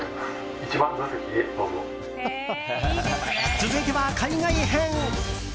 続いては、海外編。